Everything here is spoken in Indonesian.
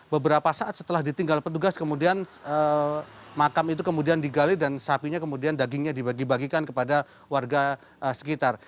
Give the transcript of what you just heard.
beberapa saat setelah ditinggal petugas kemudian makam itu kemudian digali dan sapinya kemudian dagingnya dibagi bagikan kepada warga sekitar